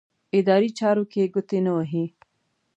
اداري چارو کې ګوتې نه وهي.